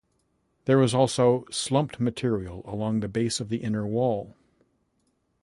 There is also slumped material along the base of the inner wall.